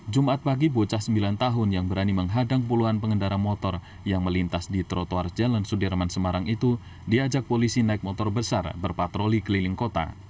jumat pagi bocah sembilan tahun yang berani menghadang puluhan pengendara motor yang melintas di trotoar jalan sudirman semarang itu diajak polisi naik motor besar berpatroli keliling kota